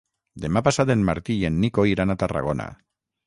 Demà passat en Martí i en Nico iran a Tarragona.